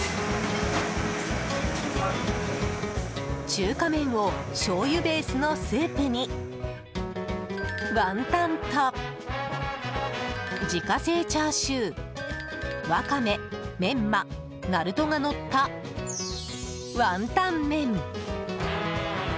中華麺をしょうゆベースのスープにワンタンと自家製チャーシューワカメ、メンマなるとがのったワンタンメン。